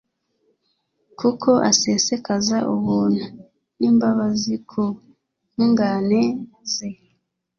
kuko asesekaza ubuntu n'imbabazi ku ntungane ze